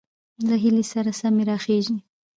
له هيلې سره سمې راخېژي،